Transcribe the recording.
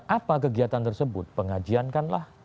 apa kegiatan tersebut pengajiankan lah